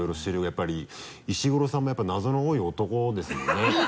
やっぱり石黒さんもやっぱ謎の多い男ですもんね。